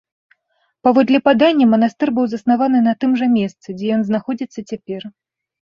Паводле падання, манастыр быў заснаваны на тым жа месцы, дзе ён знаходзіцца цяпер.